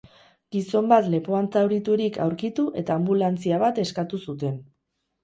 Gizon bat lepoan zauriturik aurkitu eta anbulantzia bat eskatu zuten.